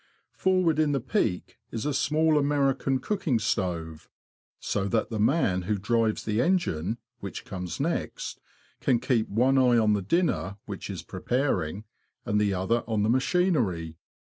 Forward in the peak is a small American cooking stove ; so that the man who drives the engine, which comes next, can keep one eye on the dinner which is preparing, and the other on the machinery.